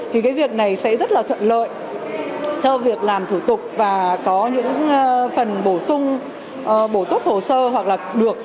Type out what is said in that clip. thì cái việc này sẽ rất là thuận lợi cho việc làm thủ tục và có những phần bổ sung bổ túc hồ sơ hoặc là được